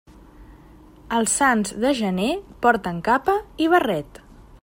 Els sants de gener porten capa i barret.